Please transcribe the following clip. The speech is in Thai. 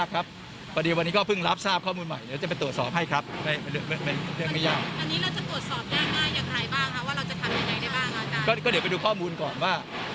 ก็เดี๋ยวไปดูข้อมูลก่อนว่า